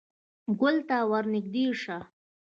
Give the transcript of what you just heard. _ګول ته ور نږدې شه.